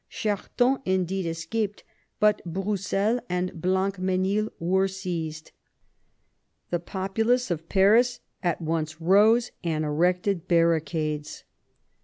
Charton indeed escaped, but Broussel and Blancmesnil were seized. The populace of Paris at once rose, and erected barricades.